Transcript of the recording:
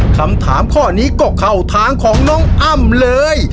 คำถามข้อนี้ก็เข้าทางของน้องอ้ำเลย